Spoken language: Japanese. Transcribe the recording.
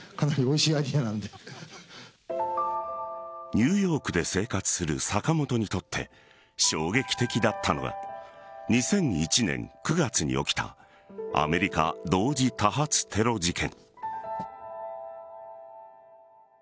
ニューヨークで生活する坂本にとって衝撃的だったのが２００１年９月に起きたアメリカ同時多発テロ事件。